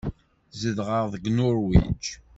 Zedɣeɣ deg Nuṛwij.